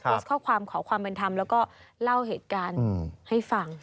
โพสต์ข้อความขอความเป็นธรรมแล้วก็เล่าเหตุการณ์ให้ฟัง